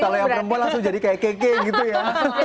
kalau yang perempuan langsung jadi kayak keke gitu ya